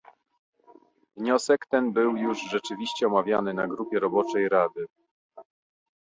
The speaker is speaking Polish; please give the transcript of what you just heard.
Wniosek ten był już rzeczywiście omawiany na grupie roboczej Rady